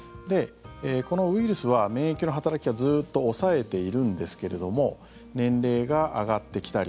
このウイルスは、免疫の働きがずっと抑えているんですけれども年齢が上がってきたり